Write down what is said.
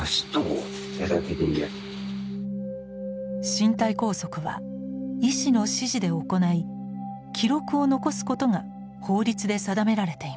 身体拘束は医師の指示で行い記録を残すことが法律で定められています。